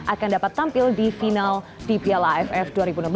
akan dapat tampil di final di piala aff dua ribu enam belas